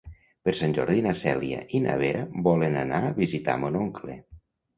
Per Sant Jordi na Cèlia i na Vera volen anar a visitar mon oncle.